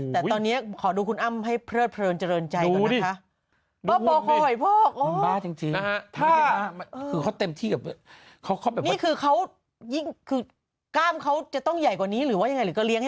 แต่ตอนนี้ขอดูคุณอ้ำให้เพลิดเพลินเจริญใจก่อนนะคะ